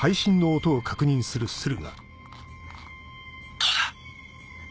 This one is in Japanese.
どうだ？